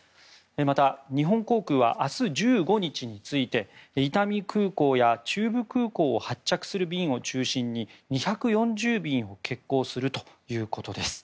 また日本航空は明日１５日について伊丹空港や中部空港を発着する便を中心に２４０便を欠航するということです。